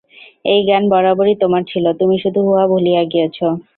এই জ্ঞান বরাবরই তোমার ছিল, তুমি শুধু উহা ভুলিয়া গিয়াছ।